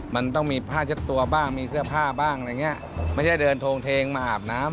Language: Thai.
มันต้องมีผ้าเช็ดตัวบ้างมีเสื้อผ้าบ้างไม่ใช่เดินโทงเทงมาอาบน้ำ